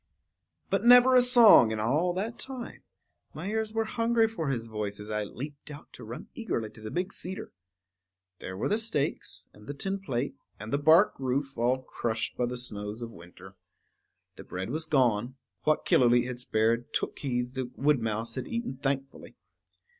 But never a song in all that time; my ears were hungry for his voice as I leaped out to run eagerly to the big cedar. There were the stakes, and the tin plate, and the bark roof all crushed by the snows of winter. The bread was gone; what Killooleet had spared, Tookhees the wood mouse had eaten thankfully.